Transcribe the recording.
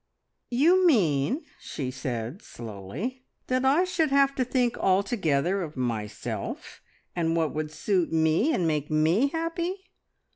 "You mean," she said slowly, "that I should have to think altogether of myself and what would suit Me and make me happy?